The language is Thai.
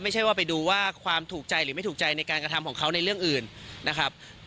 ไม่ใช่ว่าไปดูว่าความถูกใจหรือไม่ถูกใจในการกระทำของเขาในเรื่องอื่นนะครับ